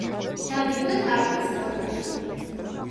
დადიოდა ტარტუს სკოლაში.